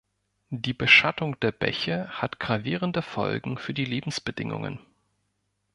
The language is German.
Die Beschattung der Bäche hat gravierende Folgen für die Lebensbedingungen.